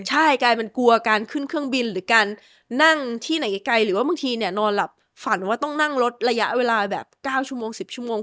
ใช่กลายเป็นกลัวการขึ้นเครื่องบินหรือการนั่งที่ไหนไกลหรือว่าบางทีเนี่ยนอนหลับฝันว่าต้องนั่งรถระยะเวลาแบบ๙ชั่วโมง๑๐ชั่วโมง